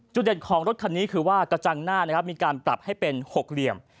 เด่นของรถคันนี้คือว่ากระจังหน้านะครับมีการปรับให้เป็น๖เหลี่ยม